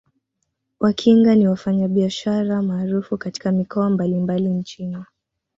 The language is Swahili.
Wakinga ni wafanyabiashara maarufu katika mikoa mbalimbali nchini